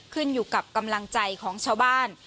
ขึ้นอยู่กับกำลังใจของชาวบ้าน